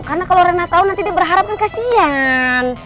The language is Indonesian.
karena kalau reina tau nanti dia berharap kan kasihan